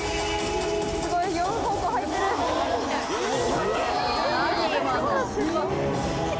すごい４方向入ってる。来た！